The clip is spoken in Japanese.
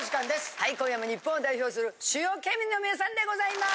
はい今夜も日本を代表する主要県民の皆さんでございます。